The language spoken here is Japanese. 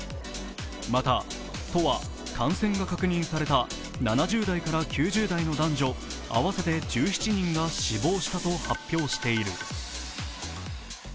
また都は感染が確認された７０代から９０代の男女合わせて１７人が死亡したと発表している。